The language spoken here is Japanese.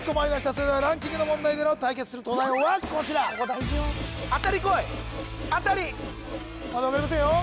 それではランキングの問題での対決する東大王はこちら当たりこい当たりまだ分かりませんよ